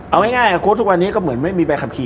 เอาง่ายโค้ดทุกวันนี้ก็เหมือนไม่มีใบขับขี่